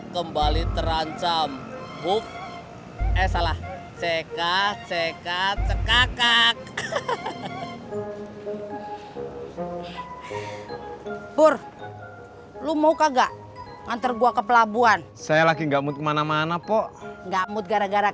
sampai jumpa di video selanjutnya